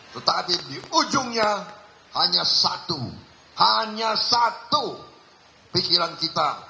tetapi di ujungnya hanya satu hanya satu pikiran kita